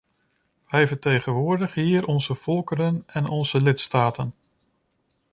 Wij vertegenwoordigen hier onze volkeren en onze lidstaten.